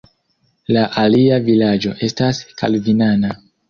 La alia vilaĝo estas kalvinana.